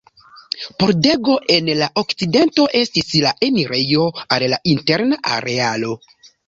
Pordego en la okcidento estis la enirejo al la interna arealo.